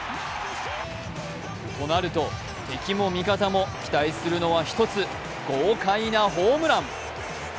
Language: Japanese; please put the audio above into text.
となると、敵も味方も期待するのは一つ、豪快なホームラン。